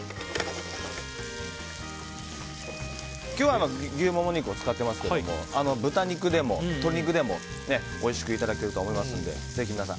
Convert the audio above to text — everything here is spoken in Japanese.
今日は牛モモ肉を使っていますが豚肉でも鶏肉でもおいしくいただけると思いますのでぜひ皆さん